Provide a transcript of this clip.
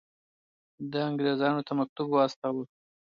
ده انګرېزانو ته مکتوب واستاوه.